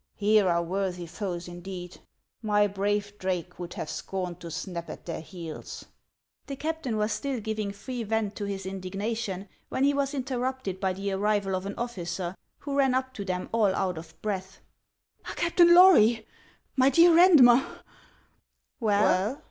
Here are worthy foes indeed ! My brave Drake would have scorned to snap at their heels !" The captain was still giving free vent to his indignation, when he was interrupted by the arrival of an officer, who ran up to them all out of breath, —" Captain Lory ! my dear Eandmer !"" Well